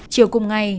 chiều cùng ngày